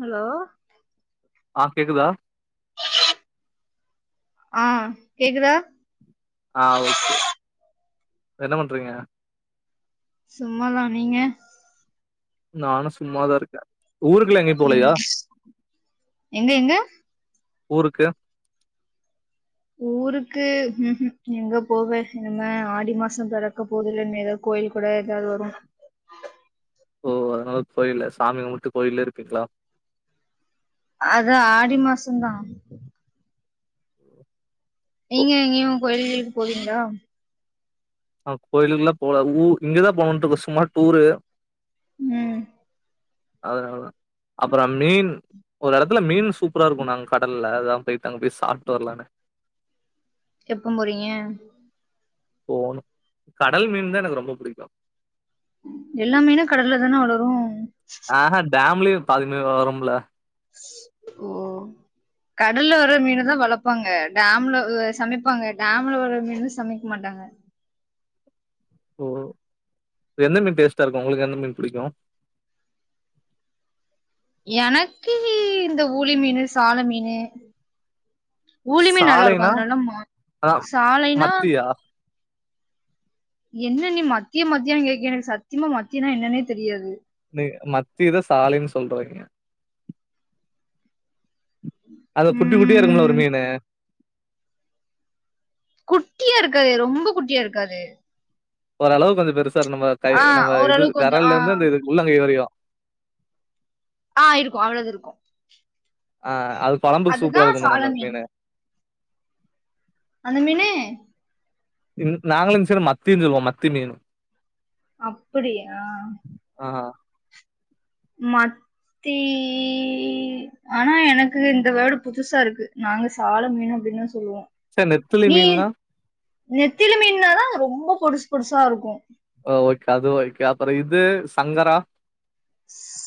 Hello அஹ் கேக்குதா ஆஹ் கேக்குதா ஆஹ் ஓக்கே என்ன பண்றீங்க சும்மாதா நீங்க நானு சும்மாதான் இருக்கேன் ஊருக்குளா எங்கயும் ம் போலையா எங்க எங்க ஊருக்கு ஊருக்கு ம்ஹ்ம் எங்க போவேன் இனிமே ஆடி மாசம் பெறக்க போகுது ஏதாவது கோயில் கொலம் போய்ட்டாவது வருவோம் ஓ அதனால கோயில சாமி கும்புட்டு கோயில இருப்பீங்களா அது ஆடி மாசந்தா ஓ நீங்க எங்யு கோயில்கிளுக்கு போவீங்ளா அ கோயிலுக்குல்லா போல ஊ இங்கதா போனுட்ருக்க சும்மா ட்டூரூ ம் அதுனாலதா அப்புற மீன் ஒரு எடத்துல மீன் சூப்ரார்க்குனாங்க கடல்ல அதா பெயிட்டு அங்க பேய் சாப்ட்டு வர்லானு எப்போ போறீங்க போனு கடல் மீன் தா எனக்கு ரொம்ப புடிக்கு எல்லா மீனு கடல்ல தான வளரு அஹ டேம்ல்யு பாதி மீன் வளரும்ப்ல் ஸ் ஒ கடல்ல வர மீன்தா வளப்பாங்க டேம்லவு சமைப்பாங்க டேம்ல வர மீனு சமைக் மாட்டாங் அ ஒ எந்த மீன் டேஸ்டா இருக்கு ஒங்ளுக் எந்த மீன் புடிக்கு எனக்கு இந்த ஊளி மீனு சால மீனு ஊளி மீன் நல்லாருக்கு சாலைனா அது நலம்மா அதா சாலைனா மத்தியா என்ன நீ மத்திய மத்தியானு கேக்க எனக் சத்திமா மத்தினா என்னன்னே தெரியாது நீ மத்திதா சாலைன் சொல்றாங்கே அத குட்டி குட்டியா இருக்கும்ல ஒரு ம் மீனு குட்டியா இருக்காதே ரொம்ப குட்டியா இருக்காது ஓரளவு கொஞ்ச பெருசா இருந்தம தை ஆ நம்ம இது ஓரளவு கொஞ்சோ ஆ வெரல்லேந்து அந்த இது உள்ளங்கை வரையு ஆ இருக்கு அவ்ளது இருக்கு அ அது கொலம்புக் அதுதா சூப்ரா இருக்கு தான சால அந்த மீன் மீனு அந்த மீனு இந் நாங்களு இந் சைட மத்தீன் சொல்வோ மத்தி மீனு அப்புடியா ஆ மாட் தீ ஆனா எனக்கு இந்த வேடு புதுசா இருக்கு நாங்க சால மீனுப் பிர்னா சொல்லுவோ சர் நெத்துலி மீன்னா நெத்திலு மீன்னாதா ரொம்ப பொடுஸ் பொடுசாருக்கு அ ஓகே அது ஓய்கே அப்பற இது சங்கரா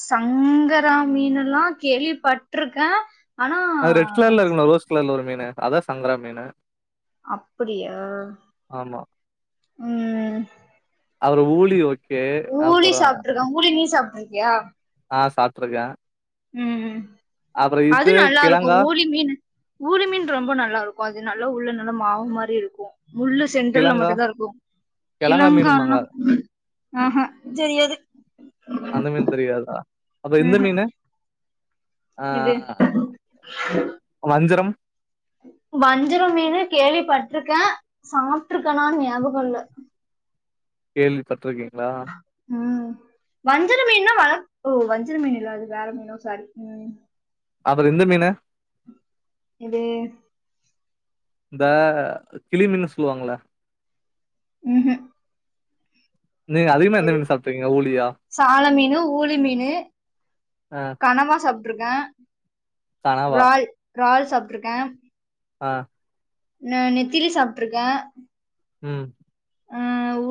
சங்கரா மீனலா கேள்வி பட்ருக்க அது ரெட் க்லர்ல இருக்குல ரோஸ் க்லர்ல ஒரு மீனு அதா சங்கரா மீனு அப்புடியா ஆமா. ம்ம் அவுர ஊளி ஓக் ஊளி சாப்ட்டுருக்க ஊளி நீ சாப்ட்ருக்கியா ஆ சாப்ட்ருக்க ம்ம் அது நல்லாருக்கு கிழங்கா ஊளி மீனு ஊளி மீன் ரொம்ப நல்லாருக்கு அது நல்லா உள்ள நல்ல மாவு மாரி இருக்கு முள்ளு சென்டரல்ல கிழங்கா மட்டுந்தா இருக்கு கிழங்கா மீனும்பாங்க. கிலங்கானா அ ஹ செரி எது அந்த மீன் தெரியாதா அப்ப இந்த ம்ஹும் மீனு அ இது வஞ்சரம் ம்ஹ் வஞ்சரொ மீனு கேள்வி பட்ருக்க சாப்ட்ருக்கனான் ஞாபகொ இல்ல கேள்வி பட்ருக்கீங்ளா வஞ்சிர மீன்னா வளக் ஒ வஞ்சர மீன் இல்ல அது வேற மீனோ சாரி ம் அப்பர இந்த மீன இது இந்த கிளிமீன்னு சொல்லுவாங்கல்ல ம் ஹ்ம் நீங்க அதிக்மா எந்த மீனு சாப்புட்வீங்க ஊலியா ஊலி மீனு கணவா சாப்ட்ருக்க கணவா ரால் சாப்ட்ருக்க அ ந நெத்திலி சாப்ட்ருக்க ம் ஆ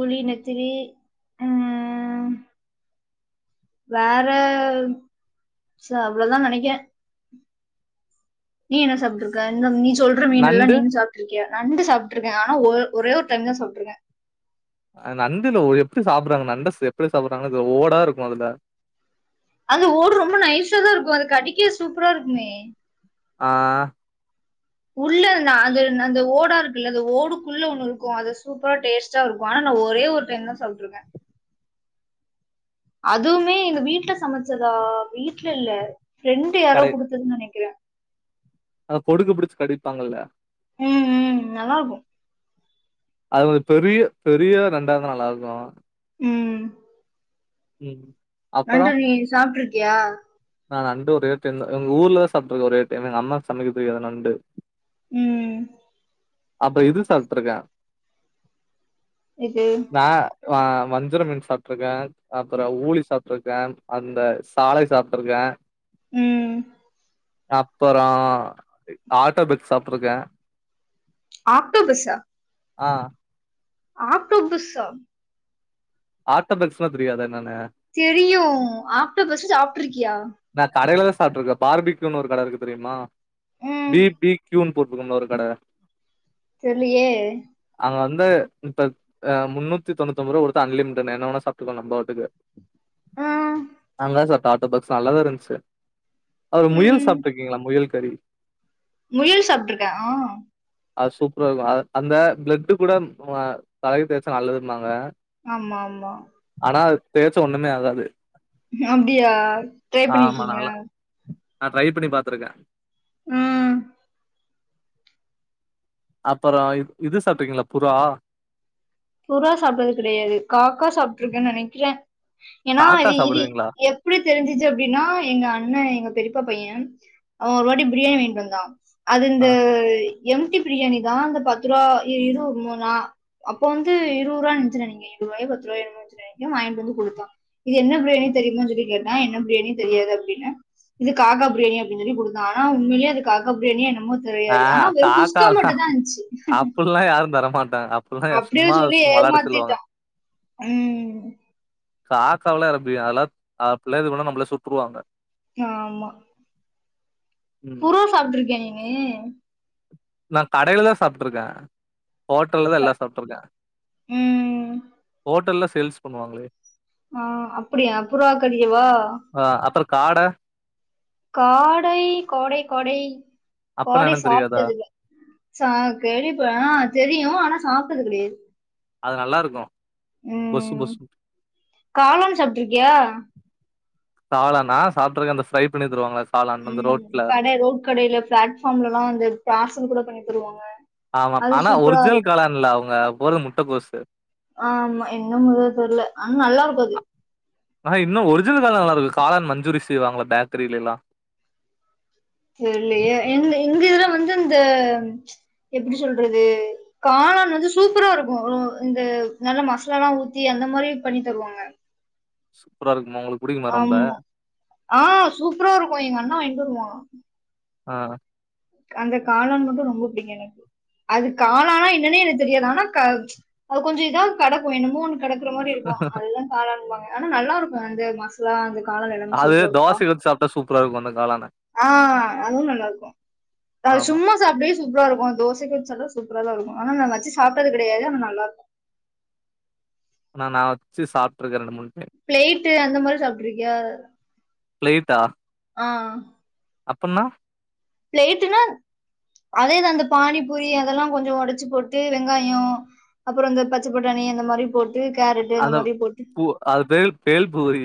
ஊலி நெத்திலி ஆ வேற ச அவ்ளொதா நெனக்கிற நீ என்னன் சாப்ட்ருக்க என்ன நீ சொல்ற மீனுல்லா நண்டு நீனு சாப்ட்ருக்கியா நண்டு சாப்ட்ருக்க ஆனா ஒ ஒரே ஒர் டைம்தா சாப்ட்ருக்க அ நண்டுல ஒரு எப்டி சாப்புர்றாங்க நண்ட ச எப்டி சாப்புர்றாங்னே தெர் ஓடா இருக்கு அதுல அந்த ஓடு ரொம்ப நைஸாதா இருக்கு அது கடிக்கெ சூப்ரா இருக்குமே ஆ உள்ள ந அது அந்த ஓடா இருக்குல்ல அத ஓடுக்குள்ள ஒண்ணு இருக்கு அது சூப்பரா டேஸ்ட்டா இருக்கு ஆனா நா ஒரே ஒர் டைம்தா சாப்ட்ருக்க அதுவுமே எங்க வீட்ல சமச்சதா வீட்ல இல்ல ஃப்ரெண்டு யாரோ கடை குடுத்தத்னு நெனக்கிற அத கொடுக்க புடிச்சி கடிப்பாங்கல்ல ம் ம் நல்லா இருக்கு அது ஒரு பெரிய பெரிய நண்டா இருந்தா நல்லாருக்கு ம் ம் அப்பறோ நண்டு நீ சாப்ட்ருக்கியா நா நண்டு ஒரே ஒர் டைம்தா எங் ஊர்ல சாப்ட்ருக்க ஒரே ஒர் டைமு எங்க அம்மா சமக்கெத் தெரியாது நண்டு ம் அப்ப இது சாப்ட்ருக்க எது வ வஞ்சர மீன் சாப்ட்ருக்க அப்றோ ஊலி சாப் ட்ருக்க அந்த சாளை சாப்ட்ருக்க ம் அப்பறோ ஆட்டோபக்ஸ் சாப்ட்ருக்க ஆக்டோபஸ்ஸா அ ஆக்டோபஸ்ஸா ஆட்டோபக்ஸ்னா தெரியாதா என்னன்னு தெரியு ஆக்டோபஸ்ஸு சாப்ட்ருக்கியா சாப்ட்ருக்க பார்பிக்யூனு ஒரு கட இருக்கு தெரியுமா ம் பி பி க்யூன் [unintelligible] இன்னொரு கட தெர்லயே அங்க வந்து இப்ப ஆ முன்னூத்தி தொண்ணுத்தொம்பொருவா குடுத்தா அன்லிமிடட் நீ என்னா வேணா சாப்ட்டுக்கோ நம்போ இதுக்கு ஆ அங்கதா சாப்ட்ட ஆட்டோபக்ஸ் நல்லா தா இருந்த்ச்சு அப்றோ முயல் ம் சாப்ட்ருக்கீங்ளா முயல் கறி முயல் சாப்ட்ருக்க ஆ அது சூப்ரா இருக்கு அத அந்த ப்ளட்டு கூட அந் ஆ தலக்கி தேச்சா நல்லதும்பாங்க ஆமா ஆமா னா அத்தேச்சா ஒண்ணுமே ஆகாது அப்டியா ட்ரை ஆமா பண்ணிருக்கீங்களா நல்லா நா ட்ரை பண்ணி பாத்துருக்கே ம்ஹ் அப்பறோ இது சாப்ட்ருகீங்களா புறா ட்ருக்கேனு நெனைக்கே ஏன்னா சாக்கா இது இது சாப்டுவீங்களா எப்டி தெருஞ்சுச்சு அப்டின்னா எங்க அண்ணா எங்க பெரிப் அத்த பையெ அவன் ஒரு வாட்டி பிரியாணி வாங்கிட்டு வந்தான் அது ஆ இந்த இ எம்டி பிரியாணி இதாங்க பத்து ரூபா இரு வருணா அப் இப்ப வந்து இருவரூபா நென்ச்ச நானு இருரூபாய் பத்து ரூபாயோ நெனசேன் வாங்கிட்டு வந்து கொடுத்தான் இது என்ன ப்ரியாணி தெரியுமா சொல்லுன்னு கேட்டான் என்ன பிரியாணி தெரியாது அப்டின்னு இது காக்கா பிரியாணினு அப்பினு சொல்லி கொடுத்தான் ஆனா உண்மையிலேயே அது காக்கா பிரியாணி ரொம்ப தெரியாது ஆஹ ஆனா வெறும் குஷ்கா காக்கால்லா மட்டுந்தா இருந்துச்சு அ அப்பெல்லா அப்படியே சும்மா சொல்லி வெளயாட்டுக்கு சொல்லுவாங்க ஏமாத்திட்டான் உம் காக்காவ்லா யாராவ்து பிரியாணி அதெல்லா அப்புல்லா எதும் பண்ணோனா நம்மல சுட்ருவாங்க ஆமா ம் புருவ் சாப்ட்டுருக்கியா நீனு நான் கடையில தா சாப்ட்டுருக்கே ஹோட்டல்ல தா எல்லா சாப்ட்டுருக்கே ம் ஹோட்டல்ல சேல்ஸ் பண்ணுவாங்ளே ஆஹ் அப்படியா புறா கறியவா ஆ அப்புற காட காடை காடை காடை அப்பன்னு காடை என்னன்னு தெரியாதா சாப்ட்டதுல்ல சா கேள்விப்ப அஹ் தெரியு ஆனா சா சாப்ட்டது கெடையாது அது நல்லா இருக்கு பொசு ம் பொசு காளான் சாப்ட்டுருக்கியா காளானா சாப்ட்டுருக்கே அந்த ஃப்ரை பண்ணி தருவாங்களே அ உம் கடை ரோட் கடைல பிளாட்ஃபார்ம்லல்லா வந்து பிராசல் கூட பண்ணி தருவாங்க ஆமா அது ஆனா சூப்பரா இருக்கு ஒரிஜினல் காலான்ல்ல அவுங்க போட்றது முட்டகோசு ஆ ஆமா இன்னுமுதா தெர்ல ஆனா நல்லா இருக்கு அது ஆனா இன்னு ஒரிஜினல் காளான் நல்லா இருக்கு காளான் மஞ்சூரி செய்வாங்களே பேக்கரியிலல்லா தெர்லயே எங்க எங்க இதுல வந்து இந்த எப்டி சொல்றது காளான் வந்து சூப்பரா இருக்கு இந்த நல்ல மசாலல்லா ஊத்தி அந் அந்த மாரி பண்ணி தருவாங்க சூப்பறா இருக்கு ஆமா ஆ சூப்பரா இருக்கும் எங்க அண்ண வாங்கிட்டு வருவா அ அந்த காளான் மட்டு ரொம்ப புடிக்கு எனக்கு அது காளானா என்னன்னே எனக்கு தெரியாது ஆனா கா அது கொஞ்சொ இதாவ்து கெடக்கு என்னமோனு கெடக்குற மாரி இருக்கு அதெல்லா காளாம்பாங்க ஆனா நல்லா இருக்கு அந்த மசா லா அந்த காளான் எல்லா அது சூப்பரா இருக்குப்பா தோசைக்கு ஊத்தி சாப்ட்டா சூப்பரா இருக்கு அந்த காளான ஆ அதுவு நல்லா இருக்கு அ ஆமா. சும்மா சாப்டே சூப்பரா இருக்கு தோசைக்கு வச்சாலு சூப்பரா தா இருக்கு ஆனா நா வச்சு சாப்ட்டது கெடையாது ஆனா நல்லா இருக்கு [inaudible] ஆனா நா வச்சு சாப்ட்டு இருக்குற ரெண்டு மூன் பிளேட்டு் அந்த மாரி சாப்ட்டுருக்கியா பிளேட்டா ஆ அப்புன்னா பிளேட்டுன்னா அதேதா இந்த பானிபூரி அதெல்லா கொஞ்சோ ஒடச்சு போட்டு வெங்காயோ அப்புறோ இந்த பச்ச பட்டாணி அந்த மாரி போ ட்டு கேரட்டு இந்த அந்த மாறி போட்டு பூ அது பேல் பேல் பூரி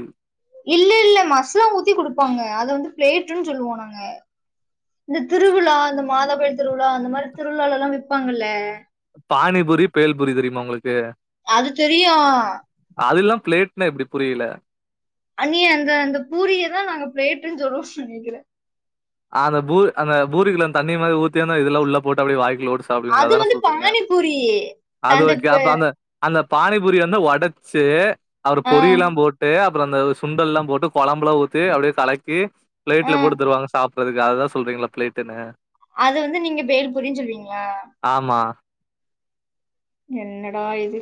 இல்ல இல்ல மசோ ஊத்தி குடுப்பாங்க அத வந்து பிளேட்ன்னு சொல்வோ நாங்க இந்த திருவிழா இந்த மாதாகோயில் திருவிழா அந்த மாரி திருவிழாலல்லா விப்பாங்கல்ல பானிபுரி பேல்புரி தெரியுமா உங்களுக்கு அது தெரியு அதுல்லா பிளேட்ன எப்டி புரியல அ நீ அந்த அந்த பூரிய தா நாங்க பிளாட்டேன்னு சொல்றோ நனக்கிறே அந்த பூரி அந்த பூருக்குல தண்ணி மாரி ஊத்தி யந்த இதெல்லா உள்ள போட்டு அப்படிய வாய்குல உட் சாப்டுவிங்களா அது அதான வந்து சொல்றீங்க பானிபூரி அது ஓகே தந்தப்ப அப்ப அந்த அந்த பானிபுரி வந்து ஒடச்சு அவரு ஆ பொரியலா போட்டு அந்த சுண்டல்லா போட்டு கொழம்பலா ஊத்தி அப்டியே கலக்கி ஆ பிளைட்ல போட்டு தருவாங்க சாப் புறதுக்கு அது தா சொல்றீங்களா ப்ளேட்டுன்னு அது வந்து நீங்க பேல்பூரின்னு சொல்லுவீங்களா ஆமா. என்னடா இது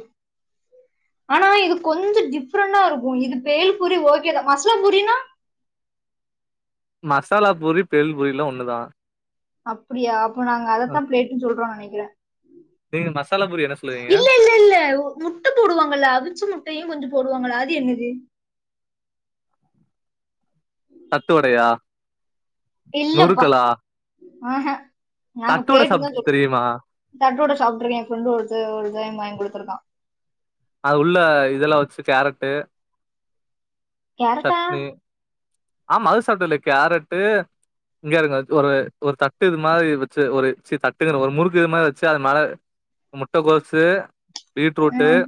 ஆனா இது கொஞ்சோ டிப்ரெண்டா இருக்கு இது பேல் பூரி ஓகேதா மஸ்லா பூரினா மசாலா பூரி பேல் பூரிலா ஒண்ணுதா அப்புடியா அப்போ நாங்க அதத்தா பிளேட்டுன்னு சொல்றோ நனைக்கிறே நீங்க மசாலா பூரி என்ன சொல்லுவீங்க இல்லல்லல்ல முட்ட போடுவாங்கல அவிச்சு முட்டயு கொஞ்சோ போடுவாங்கல்ல அது என்னது தட்டுவடயா நுறுக்களா ஆஅ நாங்க பிளேட்டு தா சொல்லுவோ தெரியுமா தட்டோட சாப்ட்டுருக்கே எ ஃப்ரெண்ட் ஒரு ஒருடைம் வாங்கி குடுத்துர்கா அது உள்ள இதெல்லா வச்சு கேரட்டு கேரட்டா சட்னி ஆமா அது சாப்ட இல்ல கேரட்டு இங்காருங்க ஒரு ஒரு தட்டு இது மாரி வச்சு ஒரு ச்சீ தட்டுங்க்ரே ஒரு முறுக்கு இது மாரி வச்சு அது மல முட்டகோசு பீட்ரூட்டு ம்,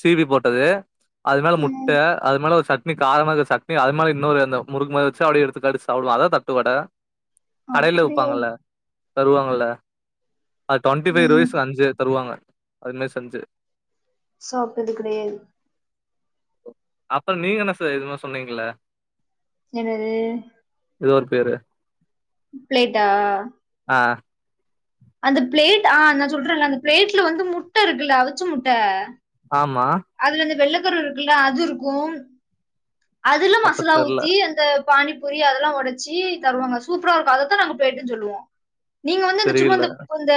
சீவி போட்டது அது மேல முட்ட ம், அது மேல ஒரு சட்னி காரமாருக்க சட்னி அது மேல இன்னொரு அந்த முருக்குமாறி வச்சு அப்டியே எடுத்துக்கடுச்சு சாப்டுவோ அதா தட்டுவட கடயில அப்படியா விப்பாங்கல தருவாங்கல அது டுவொண்ட்டி ஃபை ம், ருப்பீஸ் அஞ்சு தருவாங்க அதுமாறி செஞ்சு சாப்ட்டது கடயாது அப்புறோ நீங்க என்ன செய்றது என்னமோ சொன்னிங்கள என்னது இதோரு பேரு பிலேட்டா ஆ அந்த பிளேட் அ நா சொல்றேன்ல அந்த பிளேட்ல வந்து முட்ட இருக்குல்ல அவுச்ச முட்ட ஆமா அதுல இந்த வெள்ளக்கரு இருக்குல்ல அது இருக்கு அதுல அப்ப மசலா தெர்ல ஊத்தி அந்த பானிபூரி அதெல்லா ஒடச்சு தருவாங்க சூப்பரா இருக்கு அதத்தா நாங்க ப்ளேட்டுன்னு சொல்லுவோ நீங்க வந்து அந்த சும்மா தெரியல இந்தப் அந்த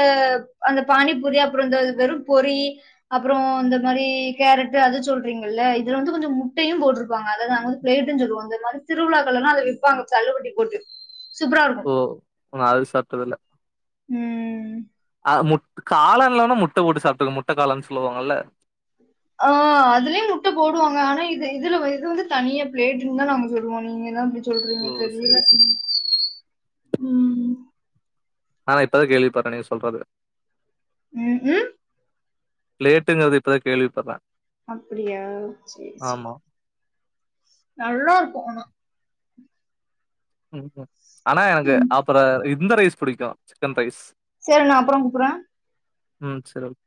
அந்த பானிபூரி அப்பறோ இந்த வெறு பொறி அப்பறோ இந்த மாரி கேரட்டு அது சொல்றீங்கல்ல இது வந்து கொஞ்சோ முட்டயு போட்ருப்பாங்க அததா நாங்க வந்து ப்ளேட்டுன்னு சொல்லுவோ இந்த மாரி திருவிழாக்க லா அத விப்பாங்க தள்ளுவண்டி போட்டு சூப்பரா இருக்கும். ஓ அது சாப்ட்டதுல்ல ம் அ முட் காளான்லாலா முட்ட போட்டு சாப்ட்டுருக்கே முட்ட காளான் சொல்லுவாங்கல்ல அ அதுலய முட்ட போடுவாங்க ஆனா இது இதுல இது வந்து தனிய பிளேட்டுன்னு தா நாங்க சொல்லுவோ நீங்கதா அப்டி சொ ஓ ல்றீங்க சரி தெரியல சரி ம் ஆனா இப்பதா கேள்விப்பட்ற நீங்க சொல்றது ம், ம். லேட்டுங்கற்து இப்பதா கேள்விப்பட்ற அப்டியா சேர் சே நல்லாருக்கு ஆனா ம் ம் ஆனா எனக்கு அப்பறோ இந்த ரைஸ் புடிக்கு சிக்கன் ரைஸ் சேரி நா அப்பறொ கூப்புர்ற ம் சேரி ஓக்